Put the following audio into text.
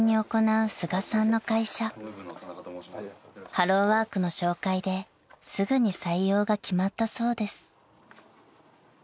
［ハローワークの紹介ですぐに採用が決まったそうです］